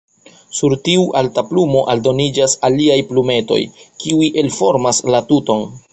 Sur tiu alta plumo aldoniĝas aliaj plumetoj, kiuj elformas la tuton.